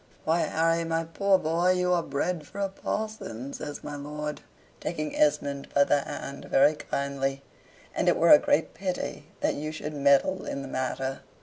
"Why, Harry, my poor boy, you are bred for a parson," says my lord, taking Esmond by the hand very kindly; "and it were a great pity that you should meddle in the matter."